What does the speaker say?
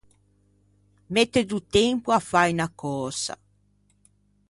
Mette do tempo à fâ unna cösa.